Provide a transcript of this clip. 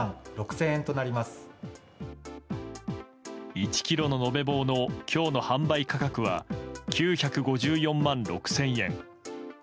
１ｋｇの延べ棒の今日の販売価格は９５４万６０００円。